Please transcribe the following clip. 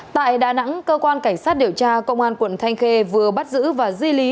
tại đà nẵng cơ quan cảnh sát điều tra công an quận thanh khê vừa bắt giữ và di lý